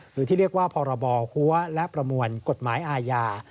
หรือที่เรียกว่าพรบหัวและประมวลกฎหมายอาญา